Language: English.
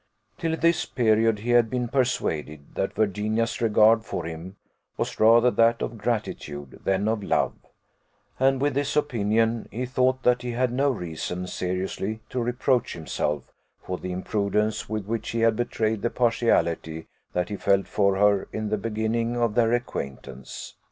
Till this period he had been persuaded that Virginia's regard for him was rather that of gratitude than of love; and with this opinion, he thought that he had no reason seriously to reproach himself for the imprudence with which he had betrayed the partiality that he felt for her in the beginning of their acquaintance.